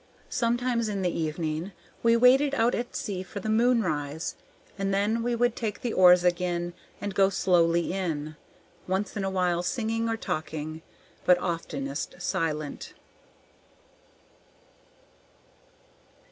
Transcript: Sometimes in the evening we waited out at sea for the moonrise, and then we would take the oars again and go slowly in, once in a while singing or talking, but oftenest silent.